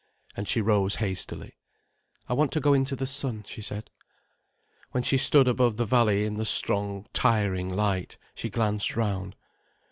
And she rose hastily. "I want to go into the sun," she said. When she stood above the valley in the strong, tiring light, she glanced round.